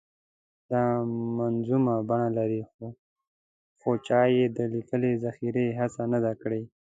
دا منظومه بڼه لري خو چا یې د لیکلې ذخیرې هڅه نه ده کړې.